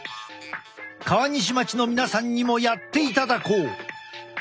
川西町の皆さんにもやっていただこう。